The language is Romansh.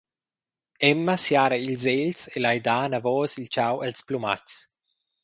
Emma siara ils egls e lai dar anavos il tgau els plumatschs.